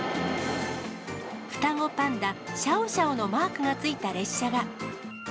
双子パンダ、シャオシャオのマークがついた列車が。